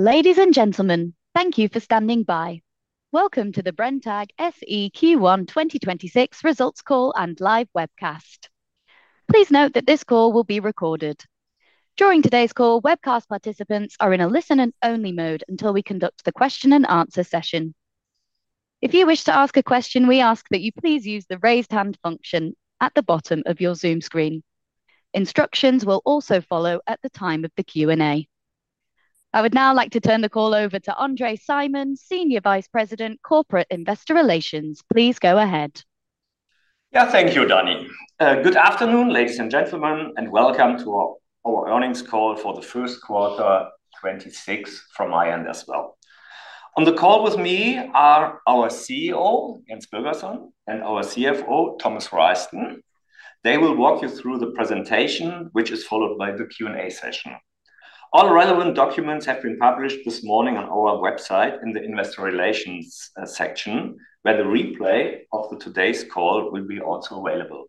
Ladies and gentlemen, thank you for standing by. Welcome to the Brenntag SE Q1 2026 Results Call and Live Webcast. Please note that this call will be recorded. During today's call, webcast participants are in a listen and only mode until we conduct the question-and-answer session. If you wish to ask a question, we ask that you please use the raise hand function at the bottom of your Zoom screen. Instructions will also follow at the time of the Q&A. I would now like to turn the call over to André Simon, Senior Vice President, Corporate Investor Relations. Please go ahead. Yeah. Thank you, Danny. Good afternoon, ladies and gentlemen, and welcome to our earnings call for the first quarter 2026 from my end as well. On the call with me are our CEO, Jens Birgersson, and our CFO, Thomas Reisten. They will walk you through the presentation, which is followed by the Q&A session. All relevant documents have been published this morning on our website in the Investor Relations section, where the replay of the today's call will be also available.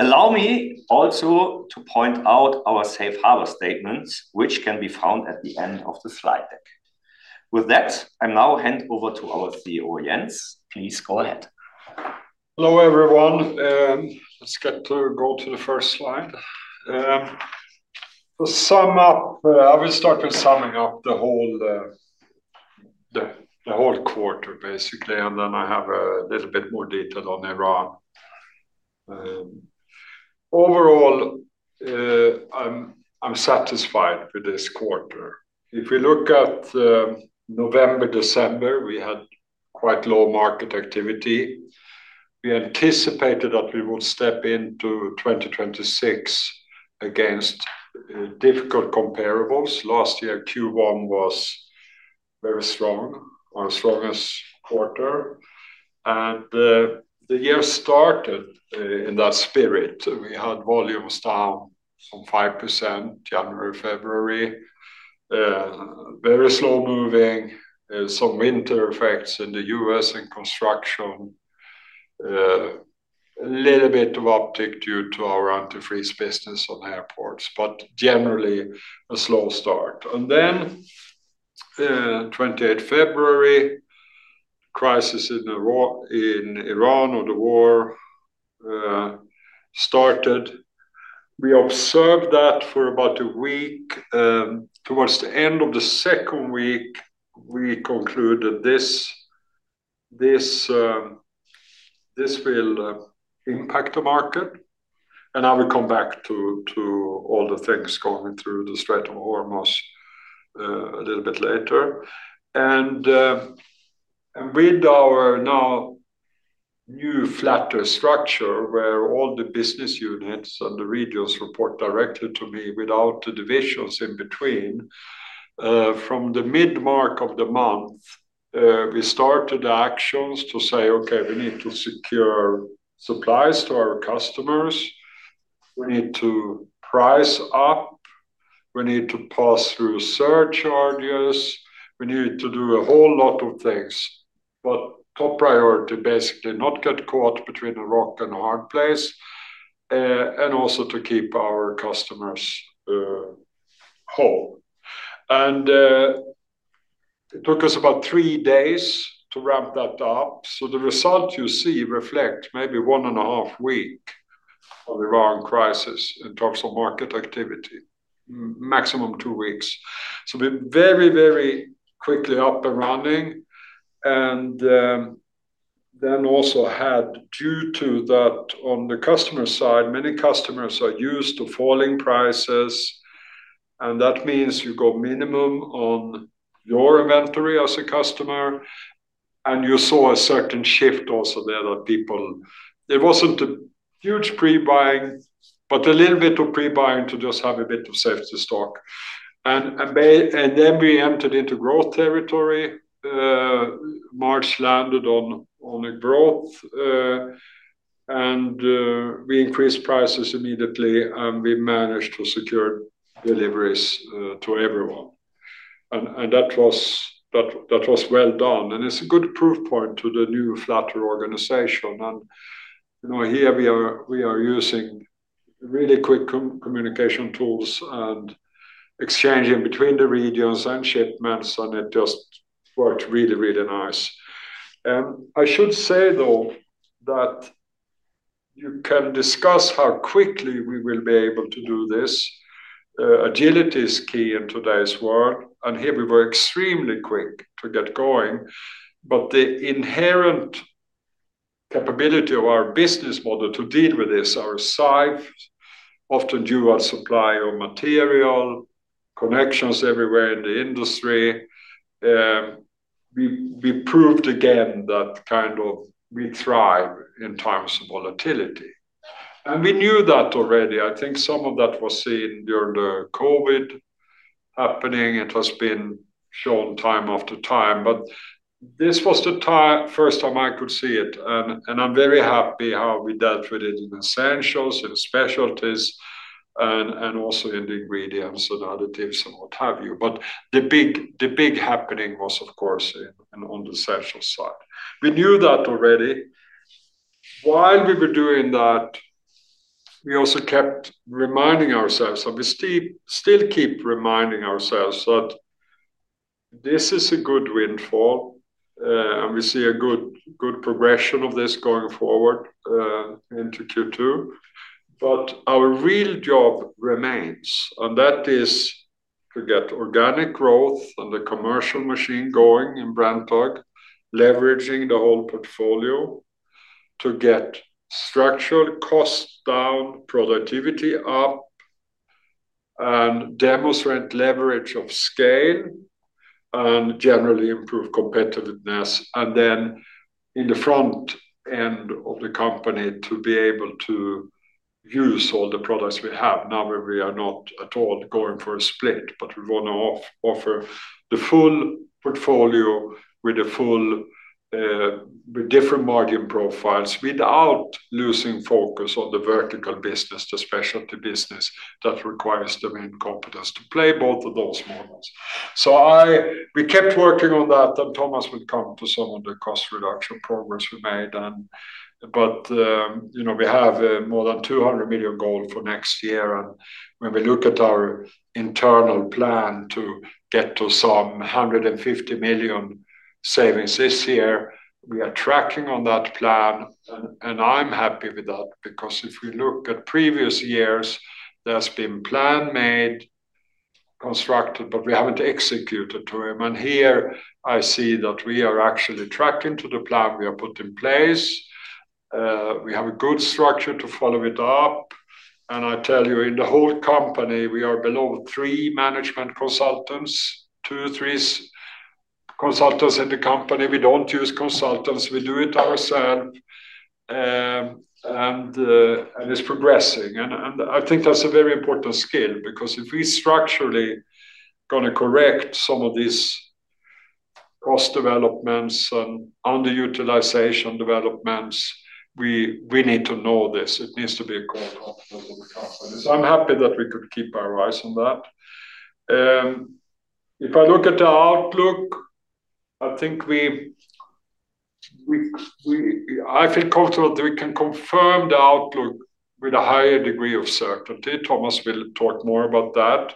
Allow me also to point out our Safe Harbor statements, which can be found at the end of the slide deck. With that, I now hand over to our CEO, Jens. Please go ahead. Hello, everyone. Let's go to the first slide. To sum up, I will start with summing up the whole quarter, basically, and then I have a little bit more detail on Brenntag. Overall, I'm satisfied with this quarter. If you look at November, December, we had quite low market activity. We anticipated that we would step into 2026 against difficult comparables. Last year, Q1 was very strong or as strong as quarter. The year started in that spirit. We had volumes down some 5% January, February. Very slow moving. Some winter effects in the U.S. in construction. A little bit of uptick due to our antifreeze business on airports, but generally a slow start. 28 February, crisis in Iran or the war started. We observed that for about a week. Towards the end of the second week, we concluded this will impact the market. I will come back to all the things going through the Strait of Hormuz a little bit later. With our now new flatter structure where all the business units and the regions report directly to me without the divisions in between, from the mid-mark of the month, we started actions to say, "Okay, we need to secure supplies to our customers. We need to price up. We need to pass through surcharges. We need to do a whole lot of things." Top priority, basically, not get caught between a rock and a hard place, and also to keep our customers whole. It took us about three days to ramp that up. The result you see reflect maybe one and a half week of Iran crisis in terms of market activity, maximum two weeks. We're very quickly up and running. Also had due to that on the customer side, many customers are used to falling prices and that means you go minimum on your inventory as a customer and you saw a certain shift also there that people. There wasn't a huge pre-buying, but a little bit of pre-buying to just have a bit of safety stock. We entered into growth territory. March landed on a growth, and we increased prices immediately, and we managed to secure deliveries to everyone. That was well done and it's a good proof point to the new flatter organization. You know, here we are, we are using really quick communication tools and exchanging between the regions and shipments and it just worked really, really nice. I should say though that you can discuss how quickly we will be able to do this. Agility is key in today's world and here we were extremely quick to get going. The inherent capability of our business model to deal with this are size, often due our supply of material, connections everywhere in the industry. We proved again that kind of we thrive in times of volatility. We knew that already. I think some of that was seen during the COVID happening. It has been shown time after time, but this was the first time I could see it. And I'm very happy how we dealt with it in Essentials, in Specialties, and also in the ingredients and additives and what have you. The big happening was of course in, on the Essentials side. We knew that already. While we were doing that. We also kept reminding ourselves, and we still keep reminding ourselves that this is a good windfall, and we see a good progression of this going forward into Q2. Our real job remains, and that is to get organic growth and the commercial machine going in Brenntag, leveraging the whole portfolio to get structural costs down, productivity up, and demonstrate leverage of scale and generally improve competitiveness. In the front end of the company to be able to use all the products we have now where we are not at all going for a split, but we want to offer the full portfolio with a full, with different margin profiles without losing focus on the vertical business, the Specialties business that requires the main competence to play both of those models. We kept working on that, and Thomas will come to some of the cost reduction progress we made. But, you know, we have more than 200 million goal for next year. When we look at our internal plan to get to some 150 million savings this year, we are tracking on that plan. I'm happy with that because if we look at previous years, there's been plan made, constructed, but we haven't executed to him. Here I see that we are actually tracking to the plan we have put in place. We have a good structure to follow it up. I tell you, in the whole company, we are below three management consultants, two, three consultants in the company. We don't use consultants. We do it ourselves. It's progressing. I think that's a very important skill because if we structurally gonna correct some of these cost developments and underutilization developments, we need to know this. It needs to be a core competence of the company. So I'm happy that we could keep our eyes on that. If I look at the outlook, I think we feel comfortable that we can confirm the outlook with a higher degree of certainty. Thomas will talk more about that.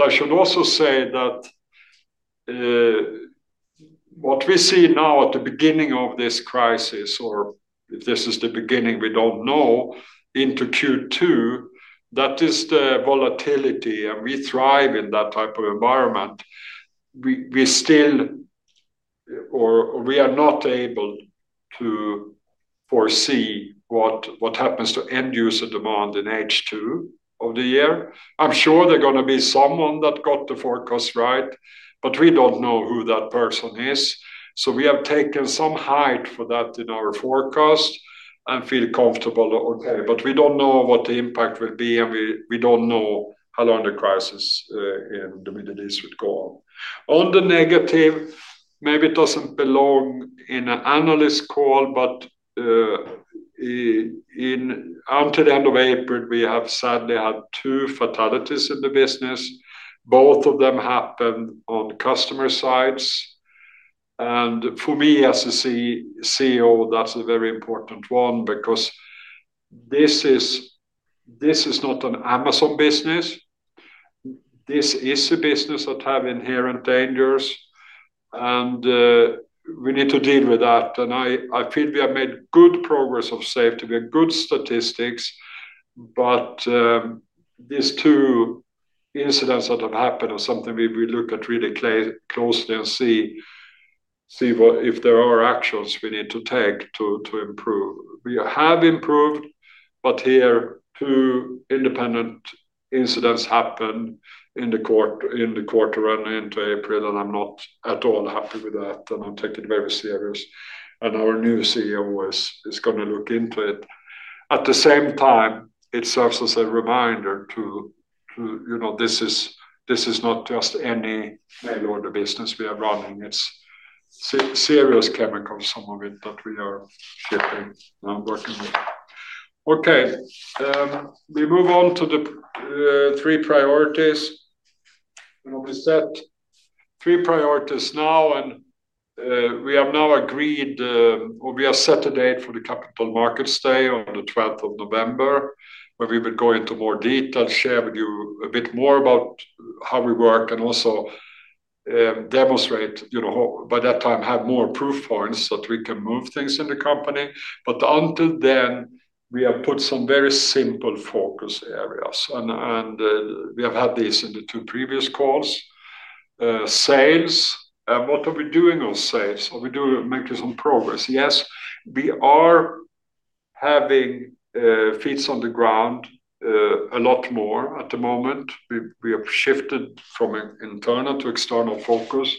I should also say that what we see now at the beginning of this crisis, or if this is the beginning, we don't know, into Q2, that is the volatility, and we thrive in that type of environment. We still or we are not able to foresee what happens to end user demand in H2 of the year. I'm sure there gonna be someone that got the forecast right, we don't know who that person is. We have taken some height for that in our forecast and feel comfortable. Okay. We don't know what the impact will be, and we don't know how long the crisis in the Middle East would go on. On the negative, maybe it doesn't belong in an analyst call, until the end of April, we have sadly had two fatalities in the business. Both of them happened on customer sides. For me as a CEO, that's a very important one because this is not an Amazon business. This is a business that have inherent dangers, we need to deal with that. I feel we have made good progress of safety. We have good statistics. These two incidents that have happened are something we look at really closely and see if there are actions we need to take to improve. We have improved, here two independent incidents happened in the quarter running into April. I'm not at all happy with that. I'm taking it very serious. Our new CEO is gonna look into it. At the same time, it serves as a reminder to, you know, this is not just any ordinary business we are running. It's serious chemicals, some of it, that we are shipping and working with. Okay. We move on to the three priorities. You know, we set three priorities now. We have now agreed, or we have set a date for the Capital Markets Day on the 12th of November, where we will go into more detail, share with you a bit more about how we work and also, demonstrate, you know, by that time, have more proof points that we can move things in the company. Until then, we have put some very simple focus areas and we have had these in the two previous calls. Sales. What are we doing on sales? Are we making some progress? Yes. We are having feet on the ground a lot more at the moment. We have shifted from internal to external focus.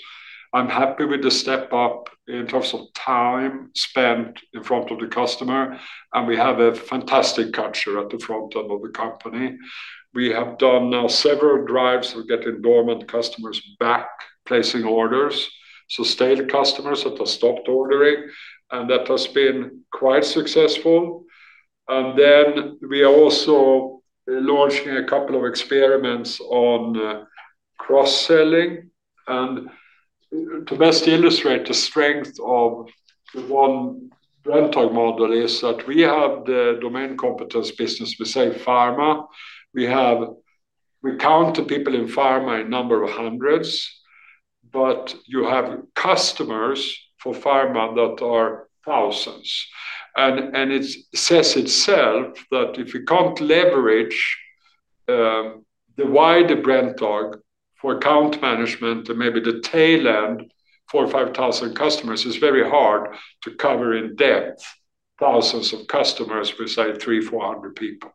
I'm happy with the step up in terms of time spent in front of the customer, and we have a fantastic culture at the front end of the company. We have done now several drives of getting dormant customers back, placing orders, so stale customers that have stopped ordering, and that has been quite successful. We are also launching a couple of experiments on cross-selling. To best illustrate the strength of the one Brenntag model is that we have the domain competence business with, say, pharma. We count the people in pharma a number of hundreds, but you have customers for pharma that are thousands. It says itself that if you can't leverage the wider Brenntag for account management and maybe the tail end, 4,000 or 5,000 customers, it's very hard to cover in depth thousands of customers beside 300, 400 people.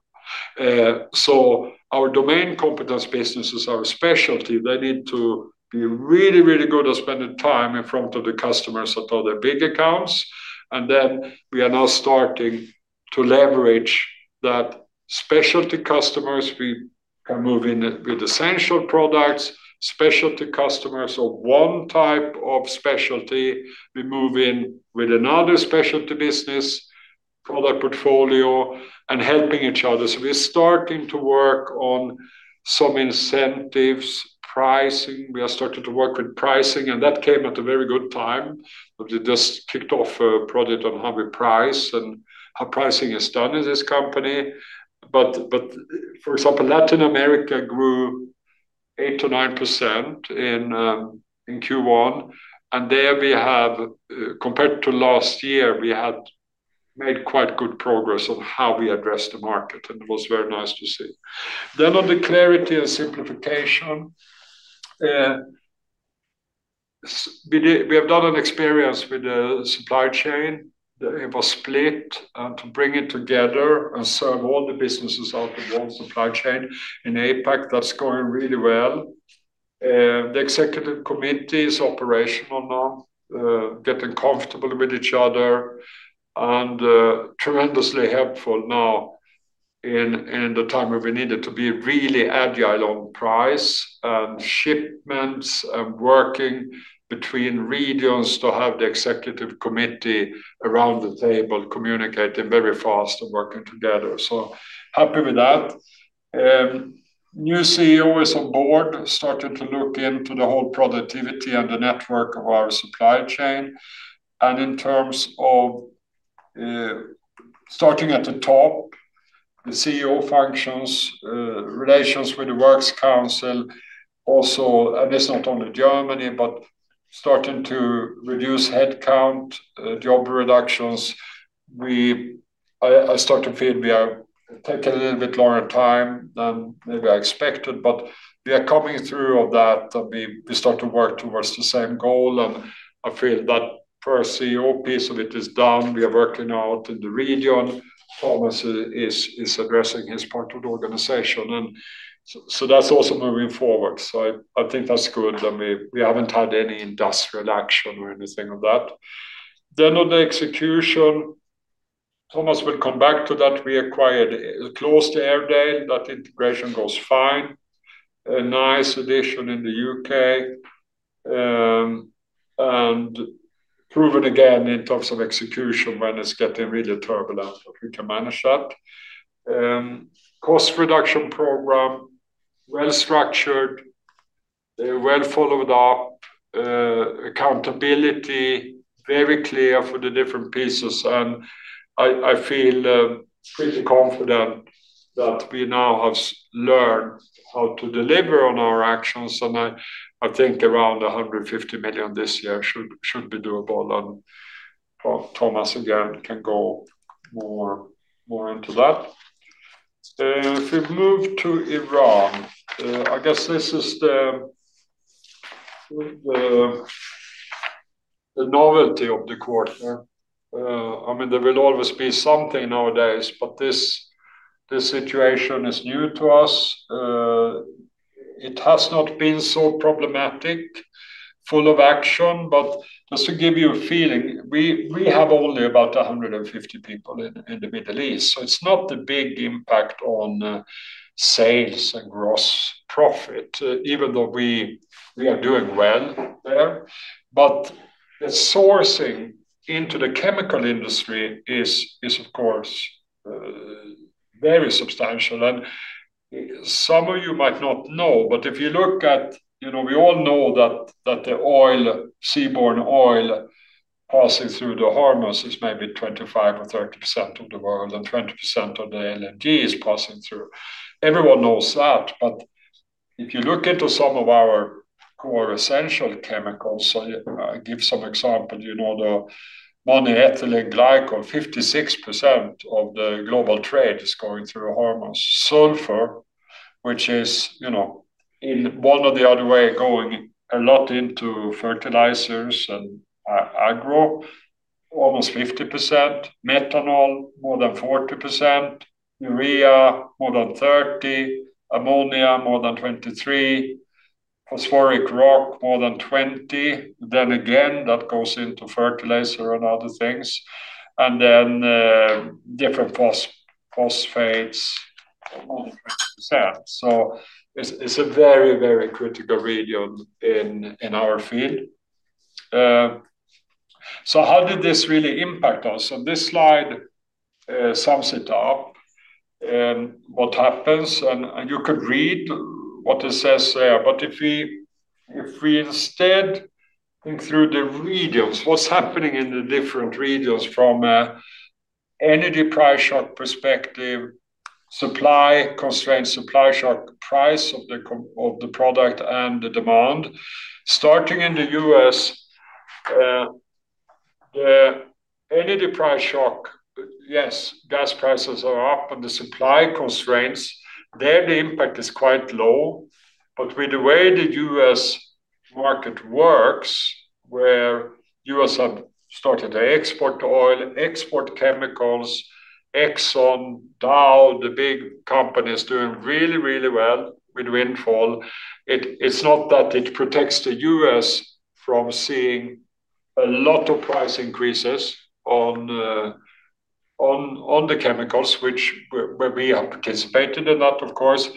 Our domain competence business is our Specialties. They need to be really, really good at spending time in front of the customers that are the big accounts. We are now starting to leverage that Specialties customers we can move in with Essentials products, Specialties customers of one type of Specialties, we move in with another Specialties business product portfolio and helping each other. We're starting to work on some incentives, pricing. We are starting to work with pricing, and that came at a very good time. We just kicked off a project on how we price and how pricing is done in this company. For example, Latin America grew 8% to 9% in Q1. There we have, compared to last year, we had made quite good progress on how we address the market, and it was very nice to see. On the clarity and simplification, we have done an experience with the supply chain. It was split, and to bring it together and serve all the businesses out of one supply chain. In APAC, that's going really well. The Executive Committee is operational now, getting comfortable with each other and tremendously helpful now in the time where we need it to be really agile on price and shipments and working between regions to have the Executive Committee around the table communicating very fast and working together. Happy with that. New CEO is on board, starting to look into the whole productivity and the network of our supply chain. In terms of, starting at the top, the CEO functions, relations with the Works Council also. It's not only Germany, but starting to reduce headcount, job reductions. I start to feel we are taking a little bit longer time than maybe I expected, but we are coming through of that, and we start to work towards the same goal. I feel that for our CEO, piece of it is done. We are working out in the region. Thomas is addressing his part of the organization. That's also moving forward. I think that's good. I mean, we haven't had any industrial action or anything of that. On the execution, Thomas will come back to that. We acquired close to Airedale. That integration goes fine. A nice addition in the U.K. Proven again in terms of execution when it's getting really turbulent, that we can manage that. Cost reduction program, well structured, well followed up, accountability, very clear for the different pieces. I feel pretty confident that we now have learned how to deliver on our actions. I think around 150 million this year should be doable. Thomas, again, can go more into that. If we move to Iran, I guess this is the novelty of the quarter. I mean, there will always be something nowadays, but this situation is new to us. It has not been so problematic, full of action. Just to give you a feeling, we have only about 150 people in the Middle East. It's not a big impact on sales and gross profit, even though we are doing well there. The sourcing into the chemical industry is of course very substantial. Some of you might not know, but if you look at, you know, we all know that the oil, seaborne oil passing through the Hormuz is maybe 25% or 30% of the world, and 20% of the LNG is passing through. Everyone knows that. If you look into some of our core essential chemicals, so I give some example. You know, the monoethylene glycol, 56% of the global trade is going through Hormuz. Sulfur, which is, you know, in one or the other way, going a lot into fertilizers and agro, almost 50%. Methanol, more than 40%. Urea, more than 30%. Ammonia, more than 23%. Phosphoric rock, more than 20%. Then again, that goes into fertilizer and other things. Different phosphates, more than 20%. It's, it's a very, very critical region in our field. How did this really impact us? This slide sums it up. What happens and you could read what it says there. If we, if we instead think through the regions, what's happening in the different regions from a energy price shock perspective, supply constraints, supply shock price of the product and the demand. Starting in the U.S., the energy price shock, yes, gas prices are up and the supply constraints, there the impact is quite low. With the way the U.S. market works, where U.S. have started to export oil, export chemicals, Exxon, Dow, the big companies doing really, really well with windfall. It's not that it protects the U.S. from seeing a lot of price increases on the chemicals, which where we have participated in that, of course.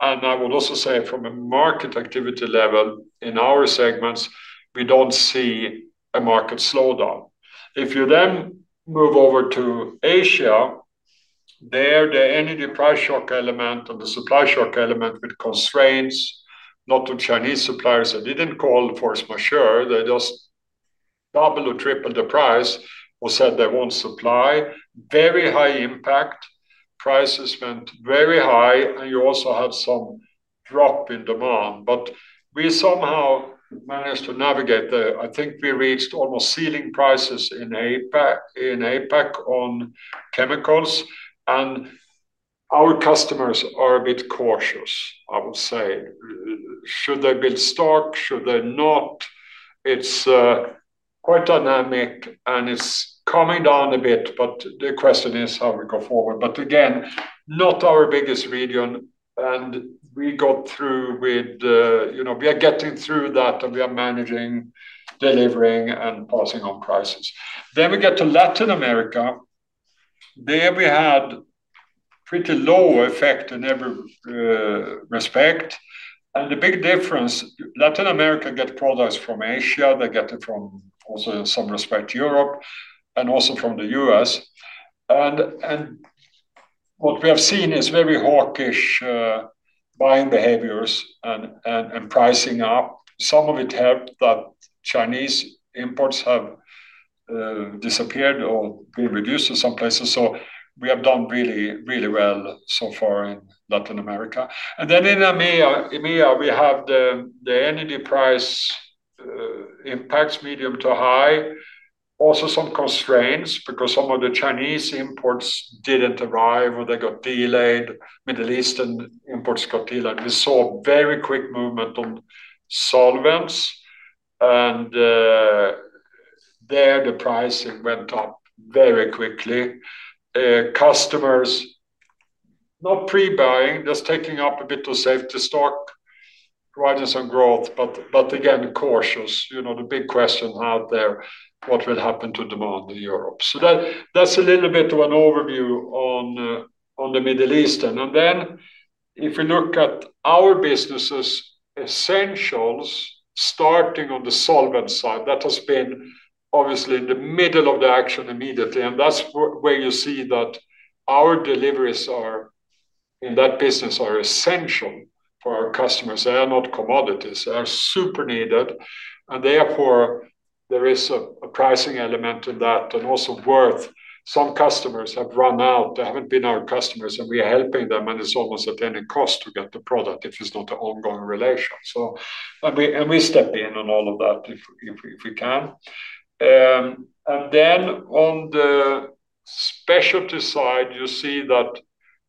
I would also say from a market activity level in our segments, we don't see a market slowdown. If you then move over to Asia, there the energy price shock element and the supply shock element with constraints, lot of Chinese suppliers, they didn't call force majeure. They just double or triple the price or said they won't supply. Very high impact. Prices went very high and you also had some drop in demand. We somehow managed to navigate the I think we reached almost ceiling prices in APAC on chemicals and our customers are a bit cautious, I would say. Should they build stock? Should they not? It's quite dynamic and it's calming down a bit, the question is how we go forward. Again, not our biggest region and we got through with, you know, we are getting through that and we are managing delivering and passing on prices. We get to Latin America. There we had pretty low effect in every respect. The big difference, Latin America get products from Asia, they get it from also in some respect Europe, and also from the U.S. What we have seen is very hawkish buying behaviors and pricing up. Some of it helped that Chinese imports have disappeared or been reduced in some places. We have done really, really well so far in Latin America. In EMEA we have the energy price impacts medium to high. Some constraints because some of the Chinese imports didn't arrive or they got delayed. Middle Eastern imports got delayed. We saw very quick movement on solvents and there the pricing went up very quickly. Customers not pre-buying, just taking up a bit of safety stock, driving some growth, but again, cautious. You know, the big question out there, what will happen to demand in Europe? That, that's a little bit of an overview on the Middle Eastern. If we look at our businesses Essentials starting on the solvent side, that has been obviously the middle of the action immediately. That's where you see that our deliveries are, in that business, are essential for our customers. They are not commodities. They are super needed and therefore there is a pricing element in that and also worth. Some customers have run out. They haven't been our customers and we are helping them and it's almost at any cost to get the product if it's not an ongoing relation. We step in on all of that if we can. On the Specialties side you see that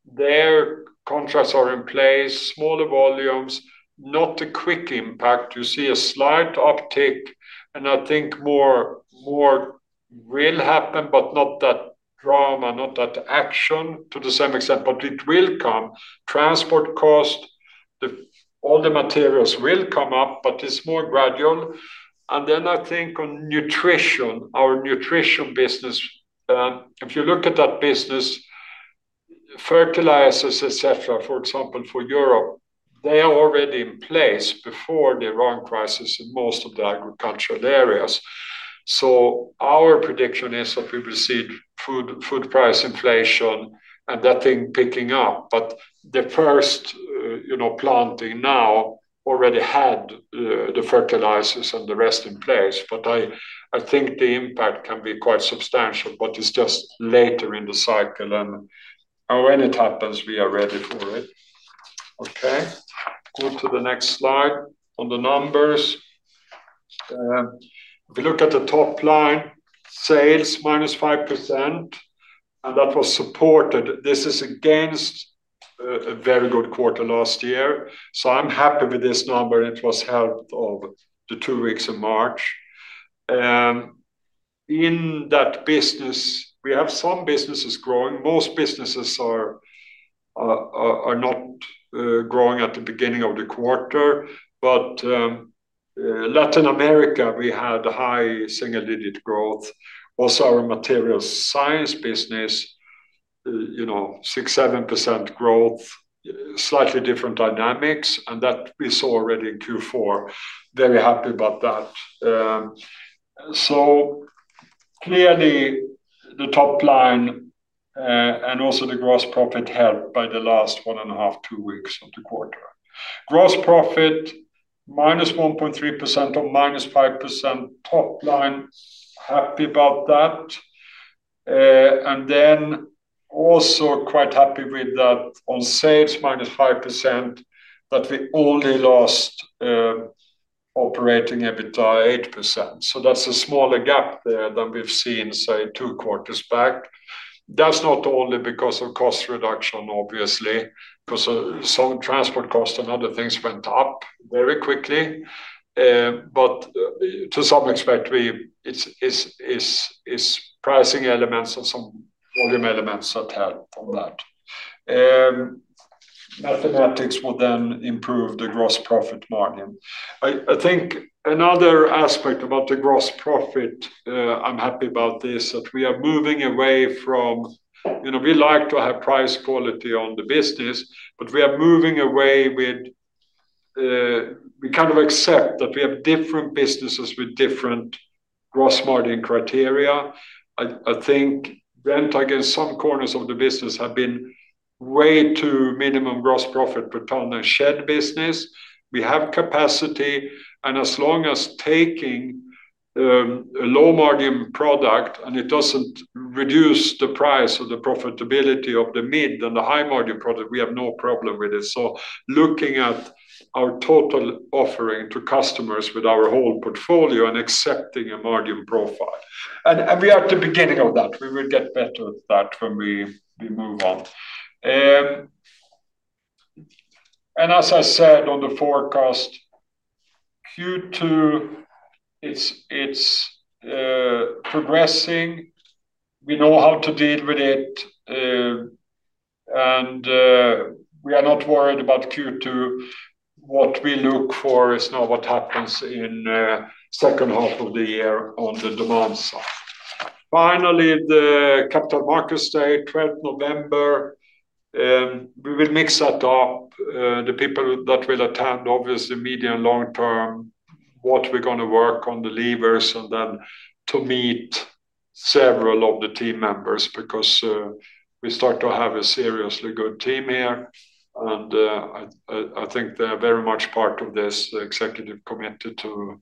their contracts are in place, smaller volumes, not a quick impact. You see a slight uptick and I think more will happen but not that drama, not that action to the same extent but it will come. Transport cost, all the materials will come up but it's more gradual. I think on nutrition, our nutrition business, if you look at that business, fertilizers et cetera, for example for Europe, they are already in place before the Iran crisis in most of the agricultural areas. Our prediction is that we will see food price inflation and that thing picking up. The first, you know, planting now already had the fertilizers and the rest in place. I think the impact can be quite substantial but it's just later in the cycle and when it happens we are ready for it. Okay. Go to the next slide on the numbers. If you look at the top line, sales minus 5% and that was supported. This is against a very good quarter last year. I'm happy with this number and it was helped of the two weeks of March. In that business we have some businesses growing. Most businesses are not growing at the beginning of the quarter. Latin America we had high single-digit growth. Also our Material Science business. You know, 6%, 7% growth. Slightly different dynamics, and that we saw already in Q4. Very happy about that. Clearly the top line, and also the gross profit helped by the last 1.5, two weeks of the quarter. Gross profit -1.3% or -5% top line. Happy about that. Also quite happy with that on sales -5%, that we only lost operating EBITDA 8%. That's a smaller gap there than we've seen, say, two quarters back. That's not only because of cost reduction, obviously, 'cause some transport costs and other things went up very quickly. But to some extent we it's pricing elements and some volume elements that help on that. Mathematics will improve the gross profit margin. I think another aspect about the gross profit, I'm happy about this, that we are moving away. We like to have price quality on the business, but we are moving away. We kind of accept that we have different businesses with different gross margin criteria. I think again, some corners of the business have been way too minimum gross profit per ton of shed business. We have capacity. As long as taking a low-margin product and it doesn't reduce the price or the profitability of the mid and the high-margin product, we have no problem with it, looking at our total offering to customers with our whole portfolio and accepting a margin profile. We are at the beginning of that. We will get better at that when we move on. As I said on the forecast, Q2, it's progressing. We know how to deal with it, we are not worried about Q2. What we look for is now what happens in second half of the year on the demand side. Finally, the Capital Markets Day, 12th November. We will mix that up. The people that will attend, obviously medium long-term, what we're gonna work on the levers, to meet several of the team members because we start to have a seriously good team here. I think they're very much part of this executive committee to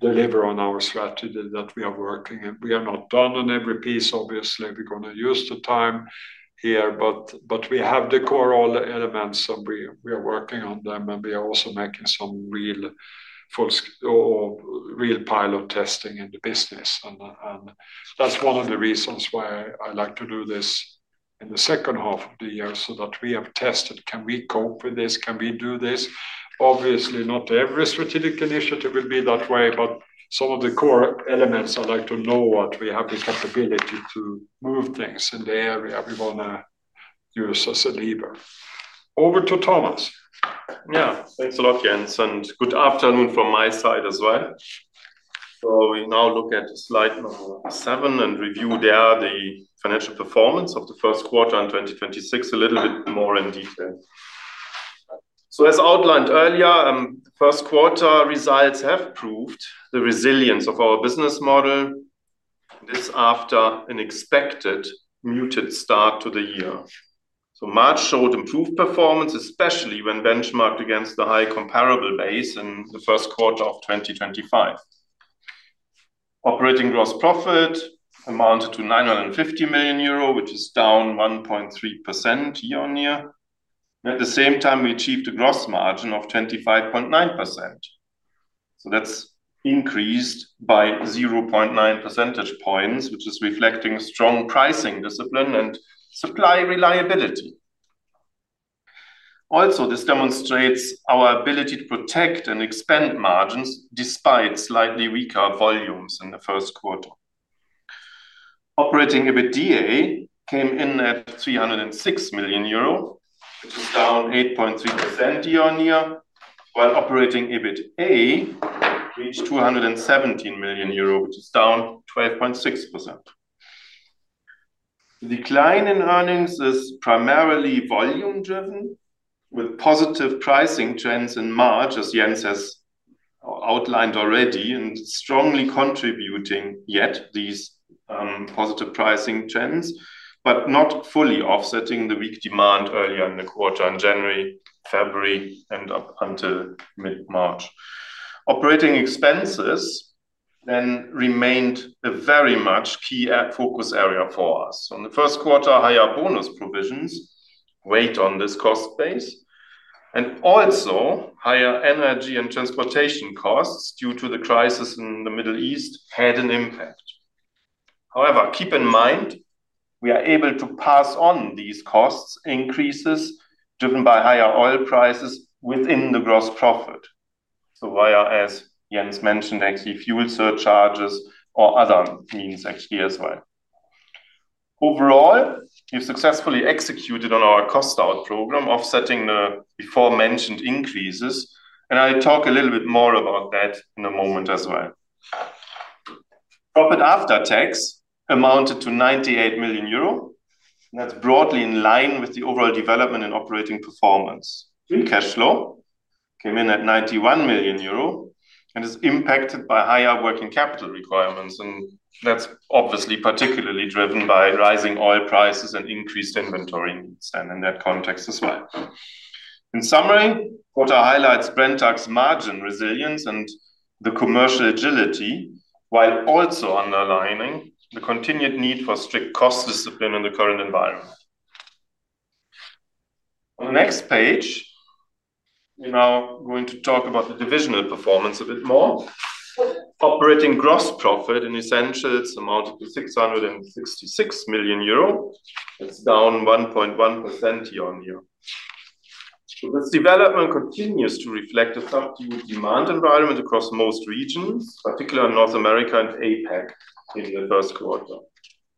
deliver on our strategy that we are working. We are not done on every piece, obviously. We're gonna use the time here, but we have the core, all the elements and we are working on them, and we are also making some real full or real pilot testing in the business. That's one of the reasons why I like to do this in the second half of the year so that we have tested, can we cope with this? Can we do this? Obviously, not every strategic initiative will be that way. Some of the core elements, I'd like to know what we have the capability to move things in the area we wanna use as a lever. Over to Thomas. Yeah. Thanks a lot, Jens, and good afternoon from my side as well. We now look at slide number seven and review there the financial performance of the first quarter in 2026 a little bit more in detail. As outlined earlier, first quarter results have proved the resilience of our business model. This after an expected muted start to the year. March showed improved performance, especially when benchmarked against the high comparable base in the first quarter of 2025. Operating gross profit amounted to 950 million euro, which is down 1.3% year-on-year. At the same time, we achieved a gross margin of 25.9%. That's increased by 0.9 percentage points, which is reflecting strong pricing discipline and supply reliability. This demonstrates our ability to protect and expand margins despite slightly weaker volumes in the first quarter. Operating EBITDA came in at 306 million euro, which was down 8.3% year-on-year, while operating EBITA reached EUR 217 million, which is down 12.6%. Decline in earnings is primarily volume driven with positive pricing trends in March, as Jens has outlined already, and strongly contributing, yet these positive pricing trends, but not fully offsetting the weak demand earlier in the quarter in January, February and up until mid-March. Operating expenses remained a very much key focus area for us. On the first quarter, higher bonus provisions weighed on this cost base. Higher energy and transportation costs due to the crisis in the Middle East had an impact. Keep in mind, we are able to pass on these cost increases driven by higher oil prices within the Gross Profit. Via, as Jens mentioned, actually fuel surcharges or other means actually as well. We've successfully executed on our cost out program, offsetting the before-mentioned increases, and I'll talk a little bit more about that in a moment as well. Profit after tax amounted to 98 million euro. That's broadly in line with the overall development and operating performance. Free cash flow came in at 91 million euro, and is impacted by higher working capital requirements, and that's obviously particularly driven by rising oil prices and increased inventory needs, and in that context as well. In summary, quarter highlights Brenntag's margin resilience and the commercial agility, while also underlining the continued need for strict cost discipline in the current environment. On the next page, we're now going to talk about the divisional performance a bit more. Operating gross profit, in Essentials, amounted to 666 million euro. It's down 1.1% year-on-year. This development continues to reflect a subdued demand environment across most regions, particularly North America and APAC in the first quarter.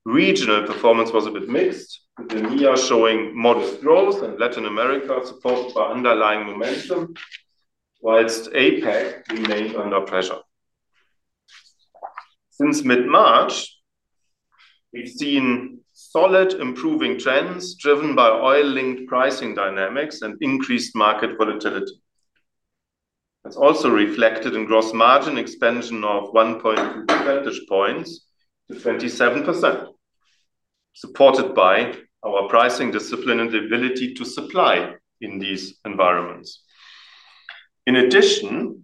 Regional performance was a bit mixed, with EMEA showing modest growth and Latin America supported by underlying momentum, whilst APAC remained under pressure. Since mid-March, we've seen solid improving trends driven by oil-linked pricing dynamics and increased market volatility. That's also reflected in gross margin expansion of 1.2 percentage points to 27%, supported by our pricing discipline and ability to supply in these environments. In addition,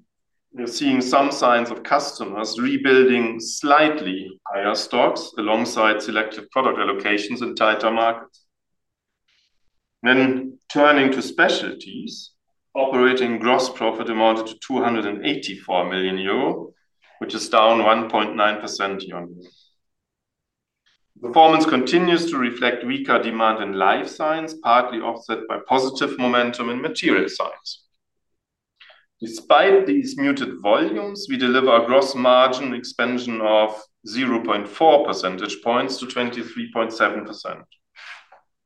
we're seeing some signs of customers rebuilding slightly higher stocks alongside selected product allocations in tighter markets. Turning to Specialties, operating gross profit amounted to 284 million euro, which is down 1.9% year-on-year. Performance continues to reflect weaker demand in Life Science, partly offset by positive momentum in Material Science. Despite these muted volumes, we deliver a gross margin expansion of 0.4 percentage points to 23.7%.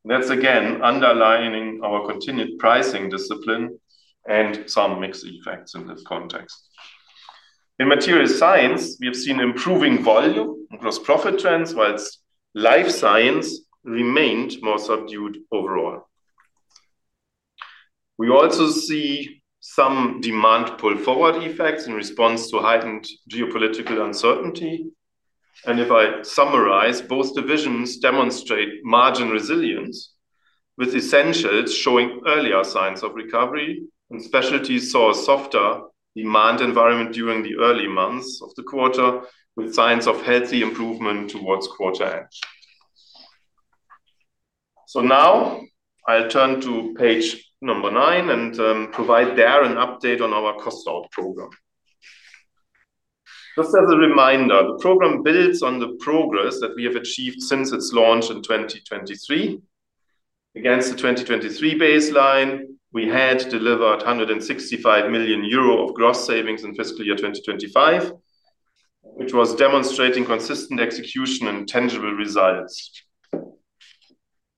That's again underlining our continued pricing discipline and some mixed effects in this context. In Material Science, we have seen improving volume and gross profit trends, whilst Life Science remained more subdued overall. We also see some demand pull forward effects in response to heightened geopolitical uncertainty. If I summarize, both divisions demonstrate margin resilience, with Essentials showing earlier signs of recovery, and Specialties saw a softer demand environment during the early months of the quarter, with signs of healthy improvement towards quarter end. Now I'll turn to page nine and provide there an update on our cost out program. Just as a reminder, the program builds on the progress that we have achieved since its launch in 2023. Against the 2023 baseline, we had delivered 165 million euro of gross savings in fiscal year 2025, which was demonstrating consistent execution and tangible results.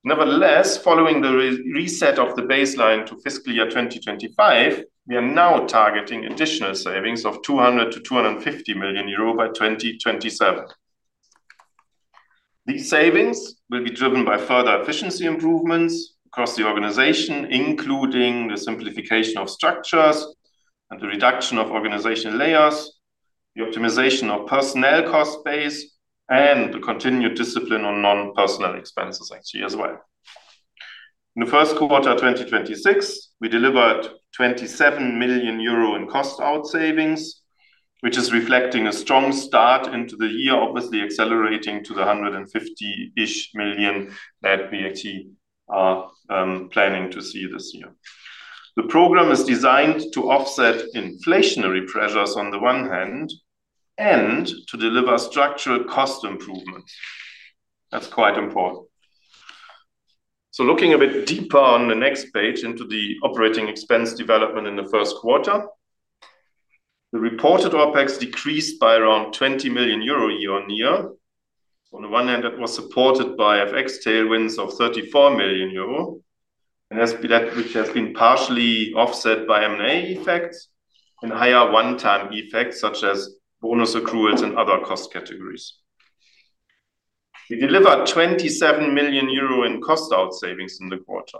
Nevertheless, following the reset of the baseline to fiscal year 2025, we are now targeting additional savings of 200 million-250 million euro by 2027. These savings will be driven by further efficiency improvements across the organization, including the simplification of structures and the reduction of organizational layers, the optimization of personnel cost base, and the continued discipline on non-personnel expenses actually as well. In the first quarter 2026, we delivered 27 million euro in cost out savings, which is reflecting a strong start into the year, obviously accelerating to the 150-ish million that we actually are planning to see this year. The program is designed to offset inflationary pressures on the one hand and to deliver structural cost improvements. That's quite important. Looking a bit deeper on the next page into the operating expense development in the first quarter, the reported OpEx decreased by around 20 million euro year-on-year. On the one hand, that was supported by FX tailwinds of 34 million euro, which has been partially offset by M&A effects and higher one-time effects such as bonus accruals and other cost categories. We delivered 27 million euro in cost out savings in the quarter.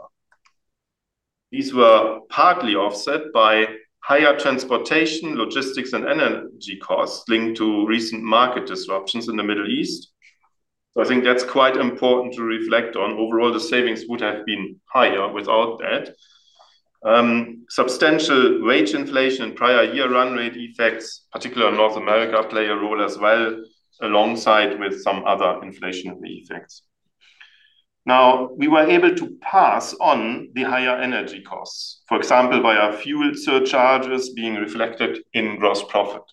These were partly offset by higher transportation, logistics, and energy costs linked to recent market disruptions in the Middle East. I think that's quite important to reflect on. Overall, the savings would have been higher without that. Substantial wage inflation and prior year run rate effects, particularly in North America, play a role as well, alongside with some other inflationary effects. Now, we were able to pass on the higher energy costs, for example, by our fuel surcharges being reflected in gross profit.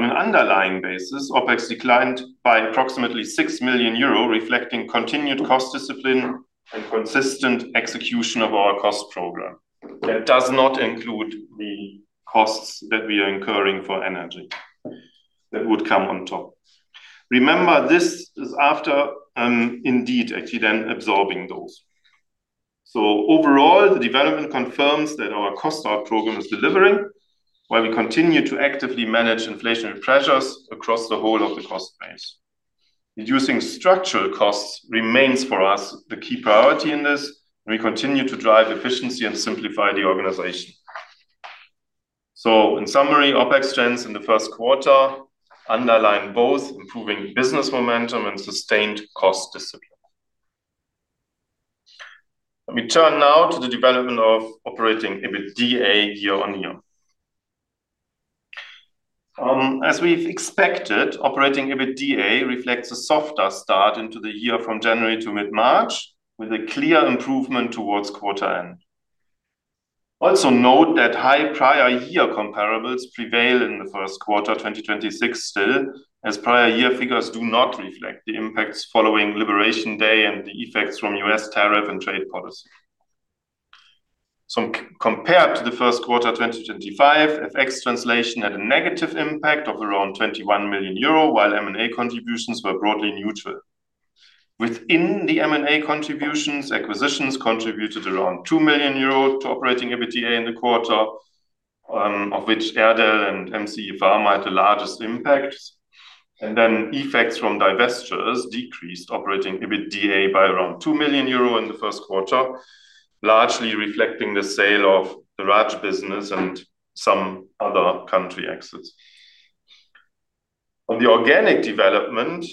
On an underlying basis, OpEx declined by approximately 6 million euro, reflecting continued cost discipline and consistent execution of our cost program. That does not include the costs that we are incurring for energy. That would come on top. Remember, this is after, indeed actually absorbing those. Overall, the development confirms that our cost out program is delivering, while we continue to actively manage inflationary pressures across the whole of the cost base. Reducing structural costs remains for us the key priority in this, and we continue to drive efficiency and simplify the organization. In summary, OpEx trends in the first quarter underline both improving business momentum and sustained cost discipline. Let me turn now to the development of operating EBITDA year-on-year. As we've expected, operating EBITDA reflects a softer start into the year from January to mid-March, with a clear improvement towards quarter end. Note that high prior year comparables prevail in the first quarter 2026 still, as prior year figures do not reflect the impacts following Liberation Day and the effects from U.S. tariff and trade policy. Compared to the 1st quarter, 2025, FX translation had a negative impact of around 21 million euro, while M&A contributions were broadly neutral. Within the M&A contributions, acquisitions contributed around 2 million euro to operating EBITDA in the quarter, of which Erdel and MCE Pharma had the largest impact. Effects from divestitures decreased operating EBITDA by around 2 million euro in the 1st quarter, largely reflecting the sale of the Raj business and some other country exits. On the organic development,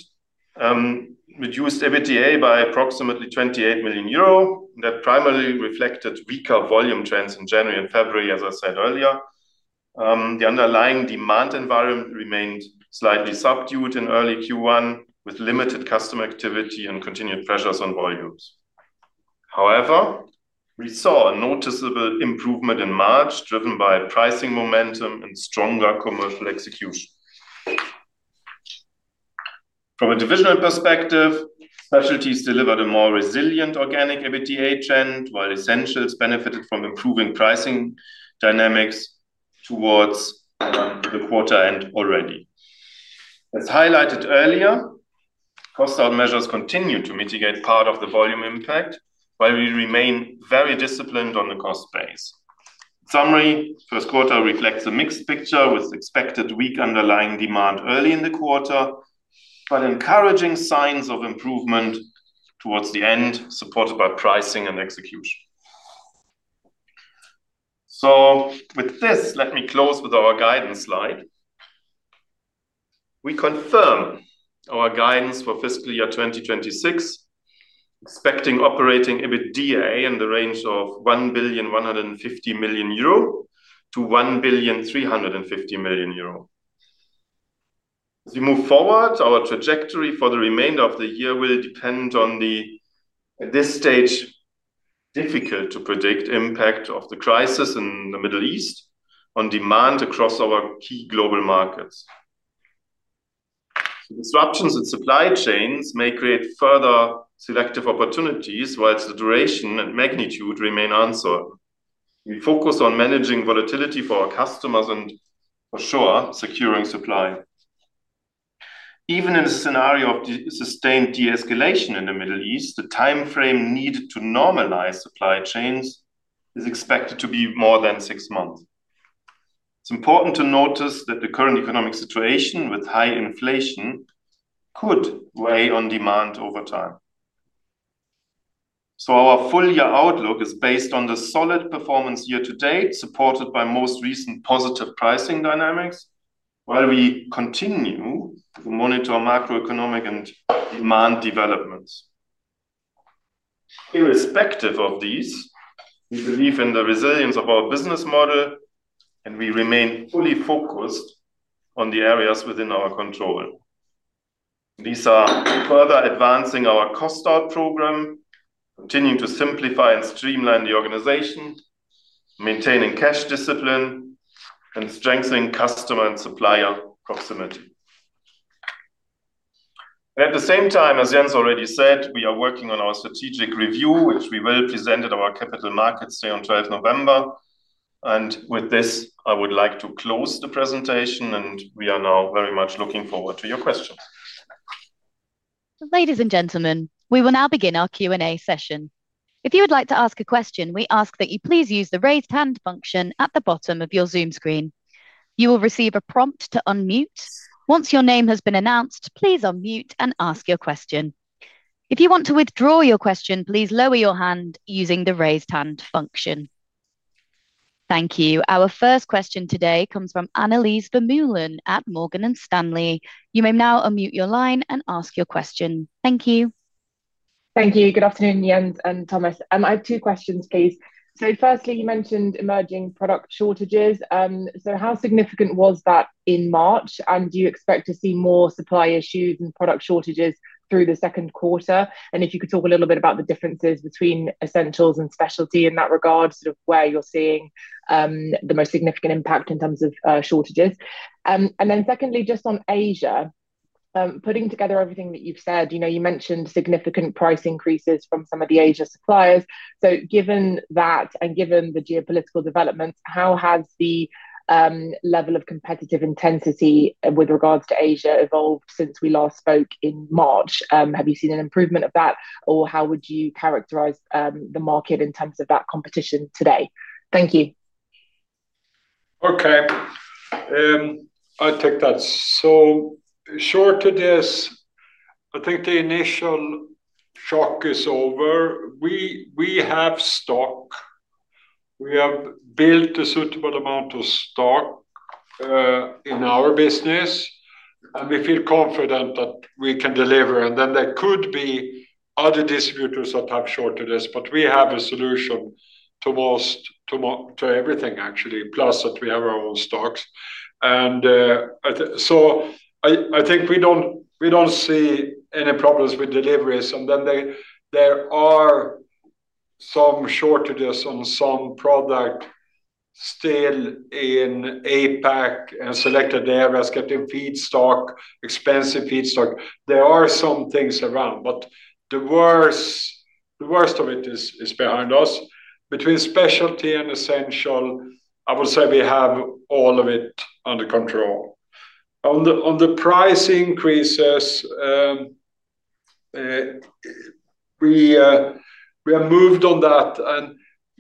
reduced EBITDA by approximately 28 million euro. That primarily reflected weaker volume trends in January and February, as I said earlier. The underlying demand environment remained slightly subdued in early Q1, with limited customer activity and continued pressures on volumes. However, we saw a noticeable improvement in March, driven by pricing momentum and stronger commercial execution. From a divisional perspective, Specialties delivered a more resilient organic EBITDA trend, while Essentials benefited from improving pricing dynamics towards the quarter end already. As highlighted earlier, cost out measures continue to mitigate part of the volume impact, while we remain very disciplined on the cost base. In summary, first quarter reflects a mixed picture with expected weak underlying demand early in the quarter, but encouraging signs of improvement towards the end, supported by pricing and execution. With this, let me close with our guidance slide. We confirm our guidance for fiscal year 2026, expecting operating EBITDA in the range of 1.15 billion-1.35 billion euro. As we move forward, our trajectory for the remainder of the year will depend on the, at this stage, difficult to predict impact of the crisis in the Middle East on demand across our key global markets. Disruptions in supply chains may create further selective opportunities, while its duration and magnitude remain unsolved. We focus on managing volatility for our customers and for sure securing supply. Even in a scenario of de-sustained de-escalation in the Middle East, the time frame needed to normalize supply chains is expected to be more than six months. It's important to notice that the current economic situation with high inflation could weigh on demand over time. Our full year outlook is based on the solid performance year to date, supported by most recent positive pricing dynamics, while we continue to monitor macroeconomic and demand developments. Irrespective of these, we believe in the resilience of our business model, and we remain fully focused on the areas within our control. These are further advancing our cost out program, continuing to simplify and streamline the organization, maintaining cash discipline, and strengthening customer and supplier proximity. At the same time, as Jens already said, we are working on our strategic review, which we will present at our Capital Markets Day on 12th November. With this, I would like to close the presentation, and we are now very much looking forward to your questions. Ladies and gentlemen, we will now begin our Q&A session. If you would like to ask a question, we ask that you please use the raise hand function at the bottom of your Zoom screen. You will receive a prompt to unmute. Once your name has been announced, please unmute and ask your question. If you want to withdraw your question, please lower your hand using the raise hand function. Thank you. Our first question today comes from Annelies Vermeulen at Morgan Stanley. You may now unmute your line and ask your question. Thank you. Thank you. Good afternoon, Jens and Thomas. I have two questions, please. Firstly, you mentioned emerging product shortages. How significant was that in March? Do you expect to see more supply issues and product shortages through the second quarter? If you could talk a little bit about the differences between Essentials and Specialties in that regard, sort of where you're seeing the most significant impact in terms of shortages. Secondly, just on Asia. Putting together everything that you've said, you know, you mentioned significant price increases from some of the Asia suppliers. Given that and given the geopolitical developments, how has the level of competitive intensity with regards to Asia evolved since we last spoke in March? Have you seen an improvement of that, or how would you characterize the market in terms of that competition today? Thank you. Okay. I take that. Shortages, I think the initial shock is over. We have stock. We have built a suitable amount of stock in our business, and we feel confident that we can deliver. There could be other distributors or top shortages, but we have a solution to everything actually, plus that we have our own stocks. I think we don't see any problems with deliveries. There are some shortages on some product still in APAC and selected areas getting feedstock, expensive feedstock. There are some things around, but the worst of it is behind us. Between Specialties and Essentials, I would say we have all of it under control. On the price increases, we are moved on that.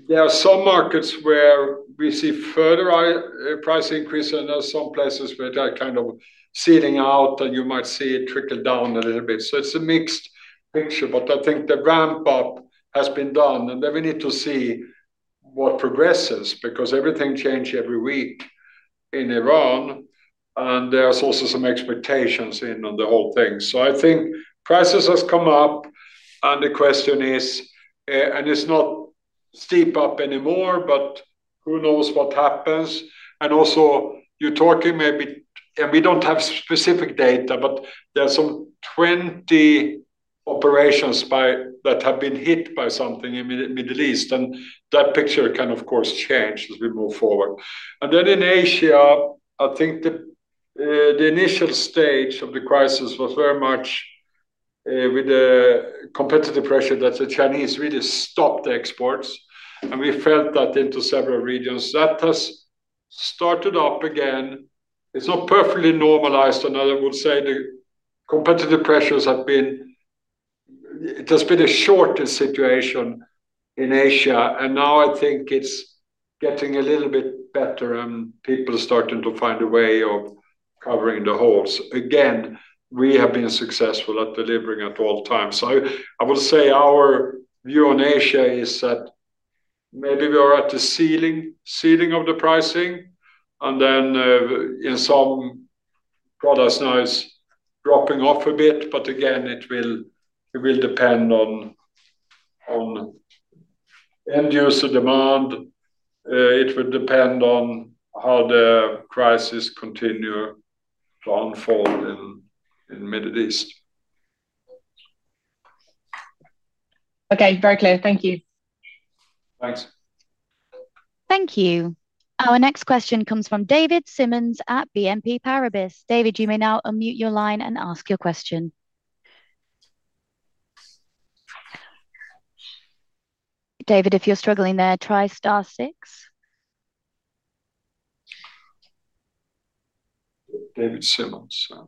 There are some markets where we see further price increase. I know some places where they're kind of seeding out, and you might see it trickle down a little bit. It's a mixed picture. I think the ramp up has been done. We need to see what progresses because everything change every week in Iran, and there's also some expectations in on the whole thing. I think prices has come up. The question is, it's not steep up anymore. Who knows what happens. You're talking maybe. We don't have specific data, there are some 20 operations by that have been hit by something in Middle East. That picture can of course change as we move forward. Then in Asia, I think the initial stage of the crisis was very much with the competitive pressure that the Chinese really stopped the exports, and we felt that into several regions. That has started up again. It's not perfectly normalized. Another would say the competitive pressures. It has been a shorter situation in Asia, and now I think it's getting a little bit better and people are starting to find a way of covering the holes. Again, we have been successful at delivering at all times. I would say our view on Asia is that maybe we are at the ceiling of the pricing and then in some products now it's dropping off a bit. Again, it will depend on end user demand. It will depend on how the crisis continues to unfold in Middle East. Okay. Very clear. Thank you. Thanks. Thank you. Our next question comes from David Simmons at BNP Paribas. David, you may now unmute your line and ask your question. David, if you're struggling there, try star six. David Simmons. Is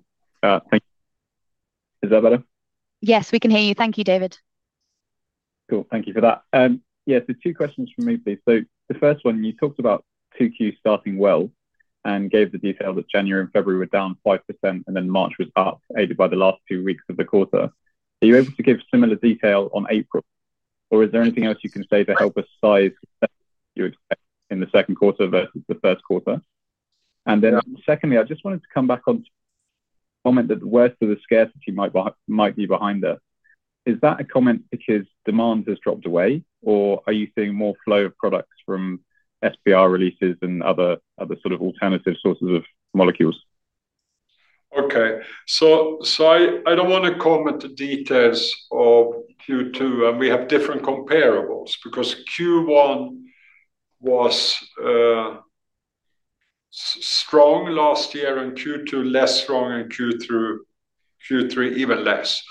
that better? Yes, we can hear you. Thank you, David. Cool. Thank you for that. Yeah, two questions from me, please. The first one, you talked about Q2 starting well and gave the detail that January and February were down 5% and then March was up aided by the last two weeks of the quarter. Are you able to give similar detail on April, or is there anything else you can say to help us size you expect in the second quarter versus the first quarter? Secondly, I just wanted to come back on comment that the worst of the scarcity might be behind us. Is that a comment because demand has dropped away, or are you seeing more flow of products from SPR releases and other sort of alternative sources of molecules? Okay. I don't want to comment the details of Q2, and we have different comparables because Q1 was strong last year and Q2 less strong and Q3 even less.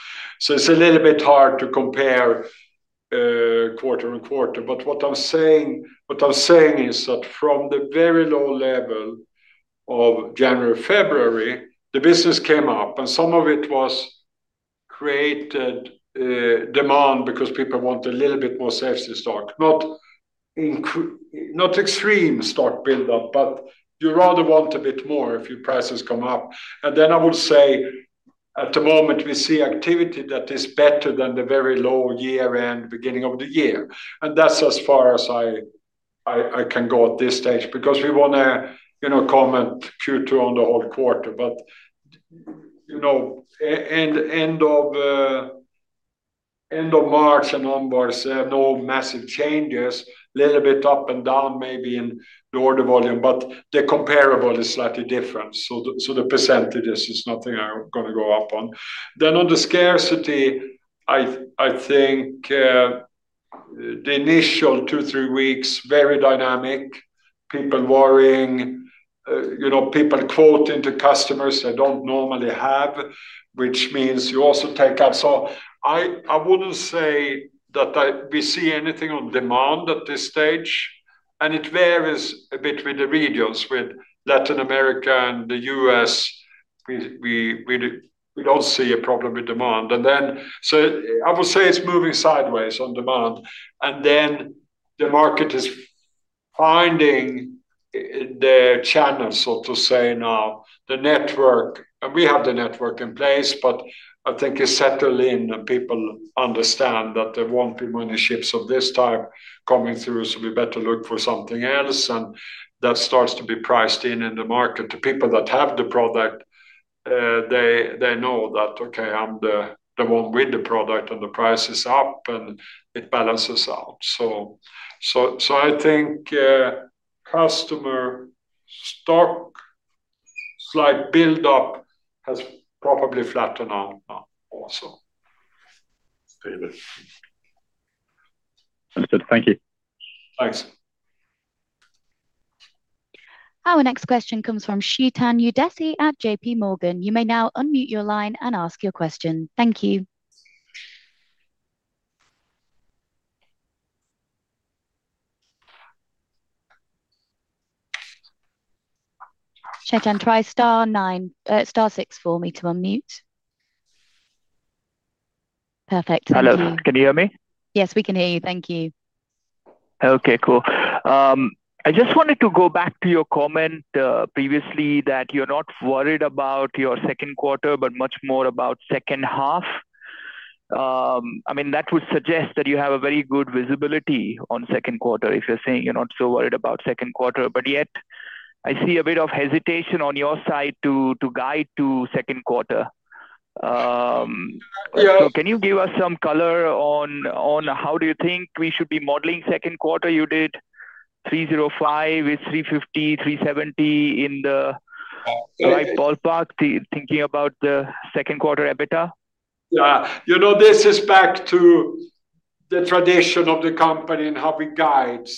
It's a little bit hard to compare quarter-on-quarter. What I'm saying is that from the very low level of January, February, the business came up and some of it created demand because people want a little bit more safety stock, not extreme stock buildup, but you rather want a bit more if your prices come up. I would say at the moment we see activity that is better than the very low year-end, beginning of the year. That's as far as I can go at this stage because we want to, you know, comment Q2 on the whole quarter. You know, end of March and onwards, no massive changes. Little bit up and down maybe in the order volume, but the comparable is slightly different. The percentages is nothing I'm gonna go up on. On the scarcity, the initial two, three weeks very dynamic. People worrying. You know, people quoting to customers they don't normally have, which means you also take up. I wouldn't say that we see anything on demand at this stage, and it varies a bit with the regions. With Latin America and the U.S., we don't see a problem with demand. I would say it's moving sideways on demand. The market is finding their channels, so to say now. We have the network in place, but I think it's settling and people understand that there won't be many ships of this type coming through, so we better look for something else. That starts to be priced in in the market. The people that have the product, they know that, "Okay, I'm the one with the product and the price is up," and it balances out. I think customer stock slight build up has probably flattened out now also. David. Understood. Thank you. Thanks. Our next question comes from Chetan Udeshi at JPMorgan. You may now unmute your line and ask your question. Thank you. Chetan, try star nine, star six for me to unmute. Perfect. Thank you. Hello. Can you hear me? Yes, we can hear you. Thank you. Okay, cool. I just wanted to go back to your comment previously that you're not worried about your second quarter, but much more about second half. I mean, that would suggest that you have a very good visibility on second quarter if you're saying you're not so worried about second quarter. Yet I see a bit of hesitation on your side to guide to second quarter. Yeah Can you give us some color on how do you think we should be modeling second quarter? You did 305 with 350, 370 in the right ballpark thinking about the second quarter EBITDA? Yeah. You know, this is back to the tradition of the company and how we guide.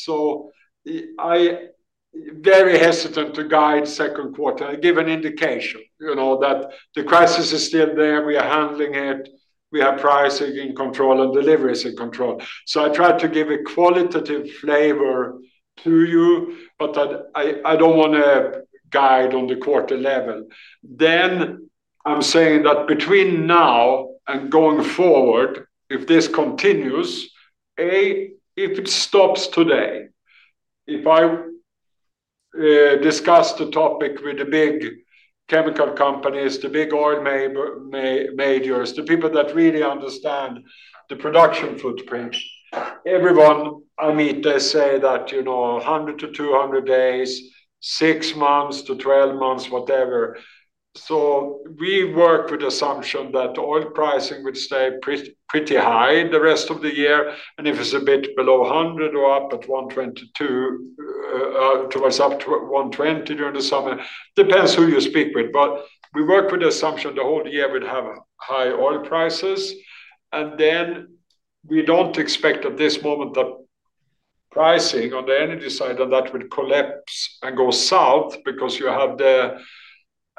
I very hesitant to guide second quarter. I give an indication, you know, that the crisis is still there. We are handling it. We have pricing in control and deliveries in control. I try to give a qualitative flavor to you, but I don't wanna guide on the quarter level. I'm saying that between now and going forward, if this continues, if it stops today. If I discuss the topic with the big chemical companies, the big oil majors, the people that really understand the production footprint. Everyone I meet, they say that, you know, 100-200 days, 6-12 months, whatever. We work with the assumption that oil pricing would stay pretty high the rest of the year. If it's a bit below 100 or up at 122, to rise up to 120 during the summer. Depends who you speak with. We work with the assumption the whole year we'd have high oil prices. We don't expect at this moment that pricing on the energy side that would collapse and go south because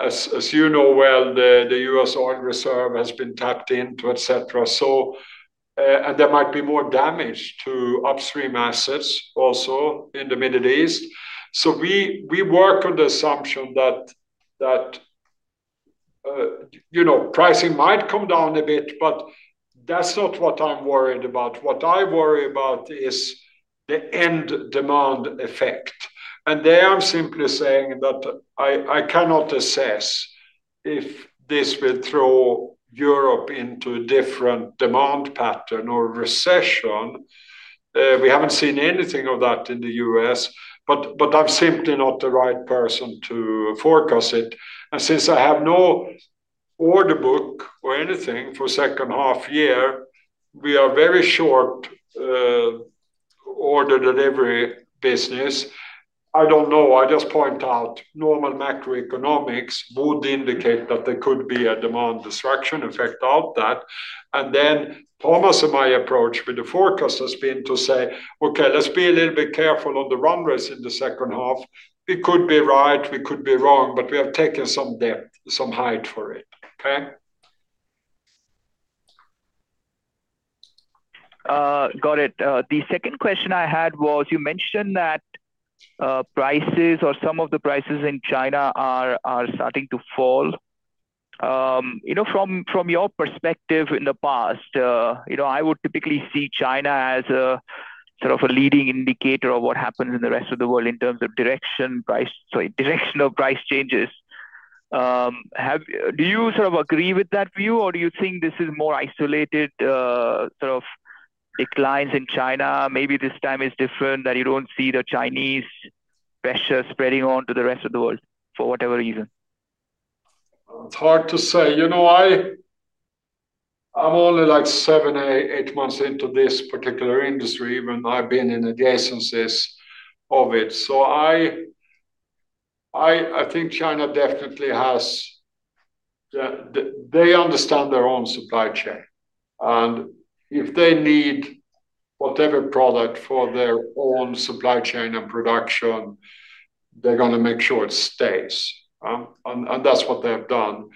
as you know well, the U.S. Oil Reserve has been tapped into, et cetera. There might be more damage to upstream assets also in the Middle East. We work on the assumption that, you know, pricing might come down a bit, but that's not what I'm worried about. What I worry about is the end demand effect. There I'm simply saying that I cannot assess if this will throw Europe into a different demand pattern or recession. We haven't seen anything of that in the U.S. I'm simply not the right person to forecast it. Since I have no order book or anything for second half year, we are very short order delivery business. I don't know. I just point out normal macroeconomics would indicate that there could be a demand destruction effect of that. Thomas and my approach with the forecast has been to say, "Okay, let's be a little bit careful on the run rates in the second half." We could be right, we could be wrong, but we have taken some depth, some height for it. Okay? Got it. The second question I had was you mentioned that prices or some of the prices in China are starting to fall. You know, from your perspective in the past, you know, I would typically see China as a sort of a leading indicator of what happens in the rest of the world in terms of direction of price changes. Do you sort of agree with that view or do you think this is more isolated, sort of declines in China? Maybe this time is different, that you don't see the Chinese pressure spreading on to the rest of the world for whatever reason. It's hard to say. You know, I'm only, like, seven, eight months into this particular industry, even though I've been in adjacencies of it. I think China definitely has the, they understand their own supply chain. If they need whatever product for their own supply chain and production, they're gonna make sure it stays. That's what they have done.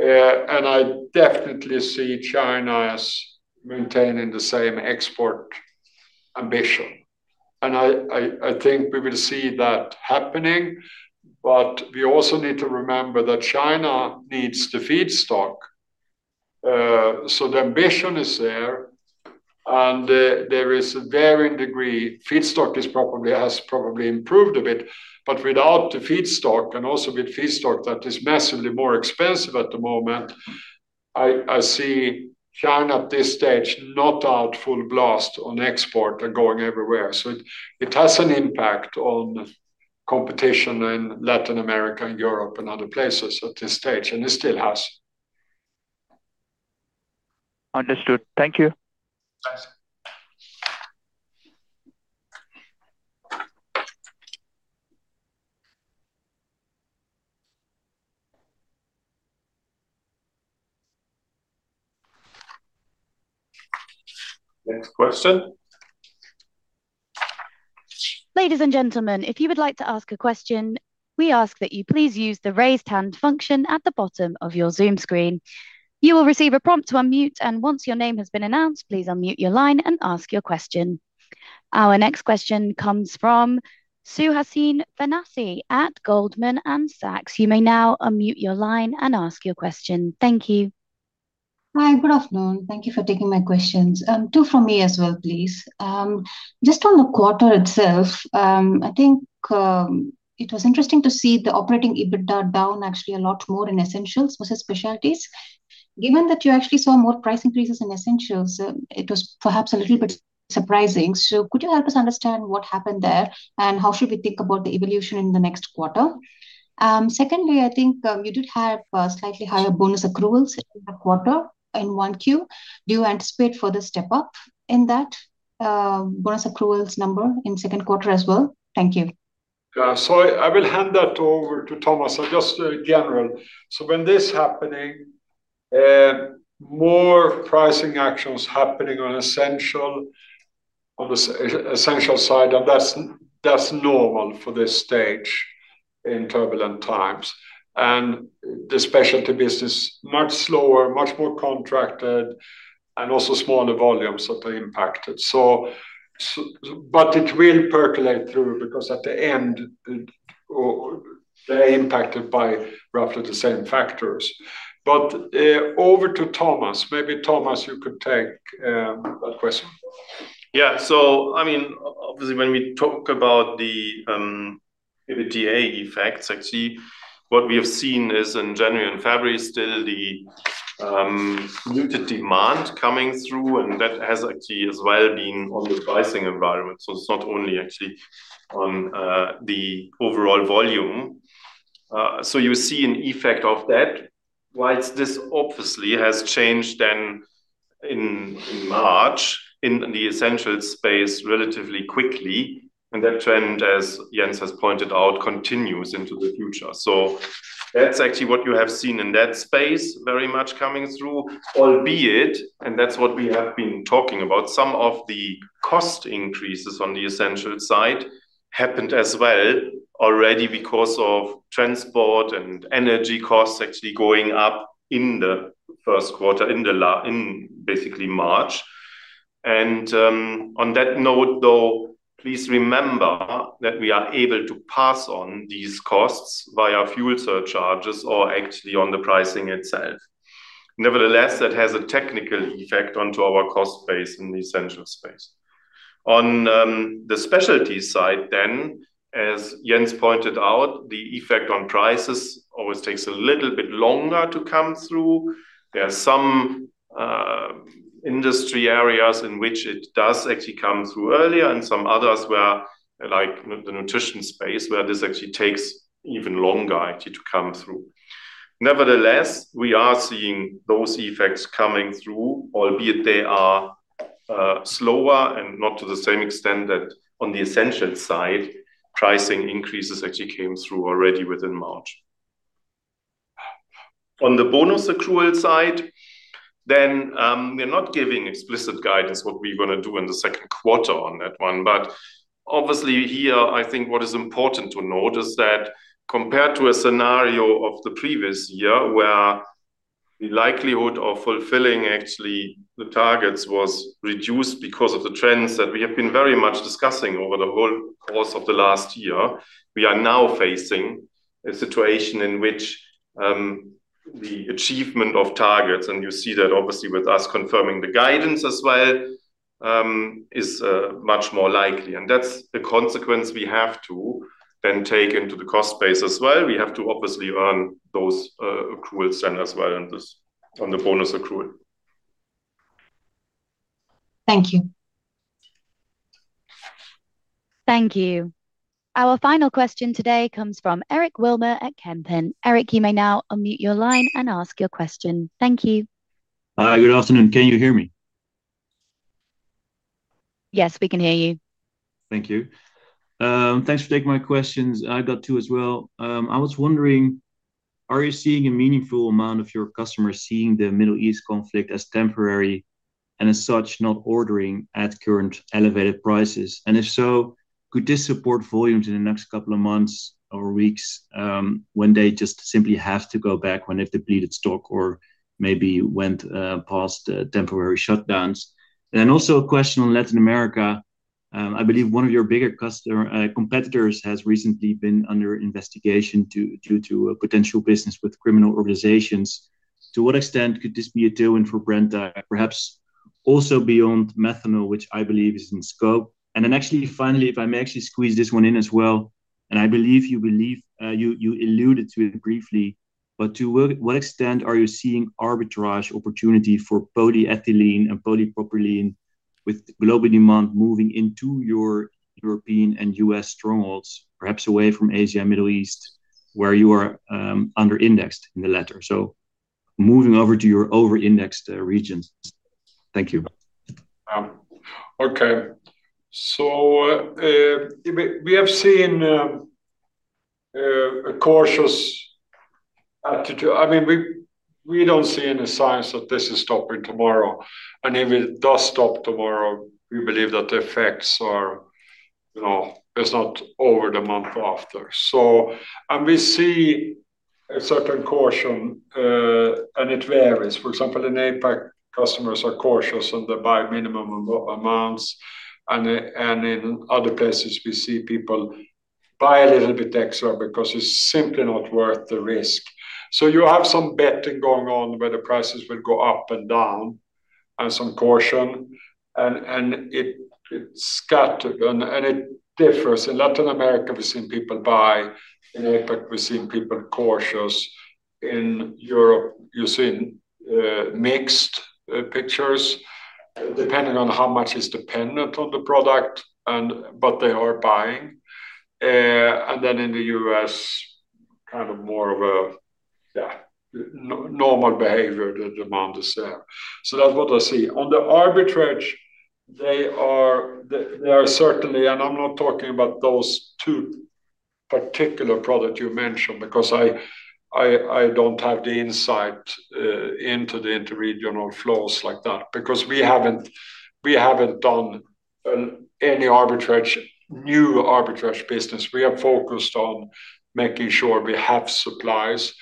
I definitely see China as maintaining the same export ambition. I think we will see that happening. We also need to remember that China needs the feedstock. The ambition is there, and there is a varying degree. Feedstock has probably improved a bit. Without the feedstock, and also with feedstock that is massively more expensive at the moment, I see China at this stage not out full blast on export and going everywhere. It has an impact on competition in Latin America and Europe and other places at this stage, and it still has. Understood. Thank you. Thanks. Next question. Ladies and gentlemen, if you would like to ask a question, we ask that you please use the raise hand function at the bottom of your Zoom screen. You will receive a prompt to unmute, and once your name has been announced, please unmute your line and ask your question. Our next question comes from Suhasini Varanasi at Goldman Sachs. You may now unmute your line and ask your question. Thank you. Hi. Good afternoon. Thank you for taking my questions. Two from me as well, please. Just on the quarter itself, I think it was interesting to see the operating EBITDA down actually a lot more in Essentials versus Specialties. Given that you actually saw more price increases in Essentials, it was perhaps a little bit surprising. Could you help us understand what happened there, and how should we think about the evolution in the next quarter? Secondly, I think you did have a slightly higher bonus accruals in the quarter in 1Q. Do you anticipate further step up in that bonus accruals number in second quarter as well? Thank you. I will hand that over to Thomas. Just general. When this happening, more pricing actions happening on Essentials, on the Essentials side, and that's normal for this stage in turbulent times. The Specialties business, much slower, much more contracted, and also smaller volumes that are impacted. It will percolate through because at the end, they're impacted by roughly the same factors. Over to Thomas. Maybe Thomas you could take that question. Yeah. I mean, obviously, when we talk about the EBITDA effects, actually, what we have seen is in January and February still the muted demand coming through, and that has actually as well been on the pricing environment. It's not only actually on the overall volume. You see an effect of that. Whilst this obviously has changed then in March in the Essentials space relatively quickly, and that trend, as Jens has pointed out, continues into the future. That's actually what you have seen in that space very much coming through, albeit, and that's what we have been talking about, some of the cost increases on the Essentials side happened as well already because of transport and energy costs actually going up in the first quarter, in basically March. On that note, though, please remember that we are able to pass on these costs via fuel surcharges or actually on the pricing itself. Nevertheless, that has a technical effect onto our cost base in the Essentials space. On the Specialties side, as Jens pointed out, the effect on prices always takes a little bit longer to come through. There are some industry areas in which it does actually come through earlier, and some others where, like the nutrition space, where this actually takes even longer actually to come through. Nevertheless, we are seeing those effects coming through, albeit they are slower and not to the same extent that on the Essentials side, pricing increases actually came through already within March. On the bonus accrual side, we're not giving explicit guidance what we're gonna do in the second quarter on that one. Obviously here, I think what is important to note is that compared to a scenario of the previous year, where the likelihood of fulfilling actually the targets was reduced because of the trends that we have been very much discussing over the whole course of the last year, we are now facing a situation in which the achievement of targets, and you see that obviously with us confirming the guidance as well, is much more likely. That's the consequence we have to then take into the cost base as well. We have to obviously earn those accrual spend as well on this, on the bonus accrual. Thank you. Thank you. Our final question today comes from Eric Wilmer at Kempen. Eric, you may now unmute your line and ask your question. Thank you. Good afternoon. Can you hear me? Yes, we can hear you. Thank you. Thanks for taking my questions. I've got two as well. I was wondering, are you seeing a meaningful amount of your customers seeing the Middle East conflict as temporary, and as such, not ordering at current elevated prices? If so, could this support volumes in the next couple of months or weeks, when they just simply have to go back when they've depleted stock or maybe went past temporary shutdowns? Also a question on Latin America. I believe one of your bigger customer competitors has recently been under investigation due to a potential business with criminal organizations. To what extent could this be a doing for Brenntag, perhaps also beyond methanol, which I believe is in scope? Actually, finally, if I may actually squeeze this one in as well, I believe you alluded to it briefly, but to what extent are you seeing arbitrage opportunity for polyethylene and polypropylene with global demand moving into your European and U.S. strongholds, perhaps away from Asia and Middle East, where you are under-indexed in the latter? Moving over to your over-indexed regions. Thank you. Okay. We have seen a cautious attitude. I mean, we don't see any signs that this is stopping tomorrow. If it does stop tomorrow, we believe that the effects are, you know, it's not over the month after. We see a certain caution, and it varies. For example, in APAC, customers are cautious and they buy minimum amounts. In other places, we see people buy a little bit extra because it's simply not worth the risk. You have some betting going on where the prices will go up and down and some caution, and it's scattered and it differs. In Latin America, we've seen people buy. In APAC, we've seen people cautious. In Europe, you're seeing mixed pictures depending on how much is dependent on the product and what they are buying. Then in the U.S., kind of more of a, yeah, normal behavior the demand is there. That's what I see. On the arbitrage, there are certainly. I'm not talking about those two particular product you mentioned because I don't have the insight into the interregional flows like that because we haven't done any arbitrage, new arbitrage business. We are focused on making sure we have supplies.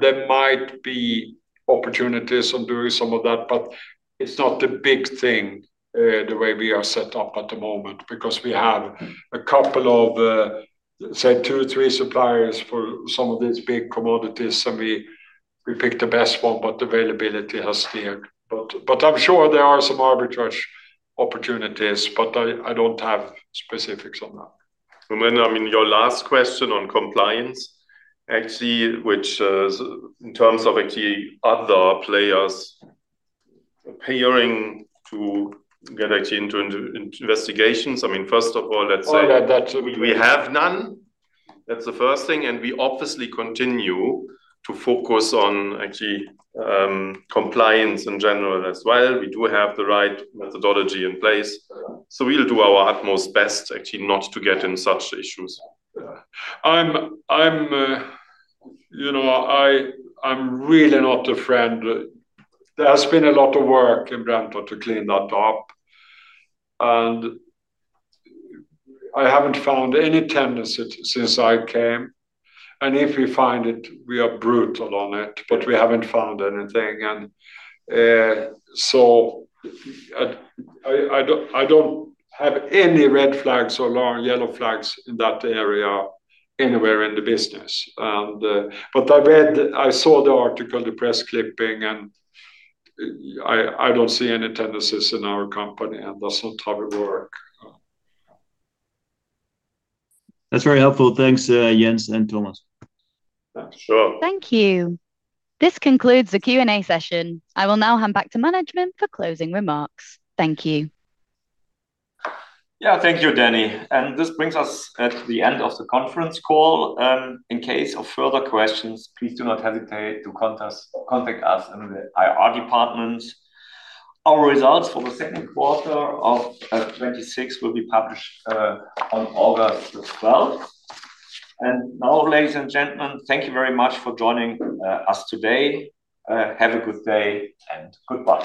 There might be opportunities on doing some of that, but it's not the big thing, the way we are set up at the moment because we have a couple of, say two, three suppliers for some of these big commodities and we pick the best one, but availability has steered. But I'm sure there are some arbitrage opportunities, but I don't have specifics on that. I mean, your last question on compliance, actually, which in terms of actually other players appearing to get actually into investigations. We have none. That's the first thing. We obviously continue to focus on actually, compliance in general as well. We do have the right methodology in place. We'll do our utmost best actually not to get in such issues. Yeah. You know, I'm really not a friend. There has been a lot of work in Brenntag to clean that up, and I haven't found any tendency since I came. If we find it, we are brutal on it, but we haven't found anything. I don't have any red flags or yellow flags in that area anywhere in the business. I read, I saw the article, the press clipping, and I don't see any tendencies in our company, and that's not how we work. That's very helpful. Thanks, Jens and Thomas. Sure. Thank you. This concludes the Q&A session. I will now hand back to management for closing remarks. Thank you. Thank you, Danny. This brings us at the end of the conference call. In case of further questions, please do not hesitate to contact us in the IR department. Our results for the second quarter of 2026 will be published on August 12th. Now, ladies and gentlemen, thank you very much for joining us today. Have a good day, and goodbye.